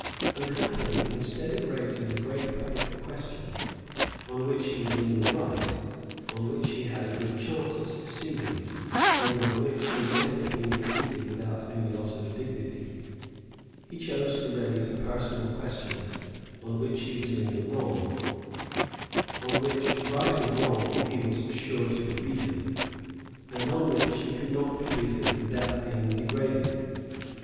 Unhappily, instead of raising a great public question, on which he was in the right, on which he had a good chance of succeeding, and on which he might have been defeated without any loss of dignity, he chose to raise a personal question, on which he was in the wrong, on which, right or wrong, he was sure to be beaten, and on which he could not be beaten without being degraded.